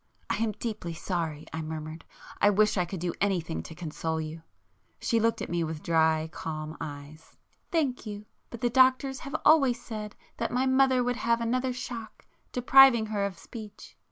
"I am deeply sorry!" I murmured—"I wish I could do anything to console you!" She looked at me with dry calm eyes. "Thank you. But the doctors have always said that my mother would have another shock depriving her of speech.